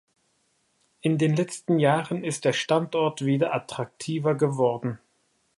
In den letzten Jahren ist der Standort wieder attraktiver geworden.